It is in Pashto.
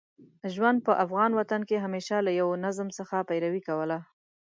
ژوند په افغان وطن کې همېشه له یوه نظم څخه پیروي کوله.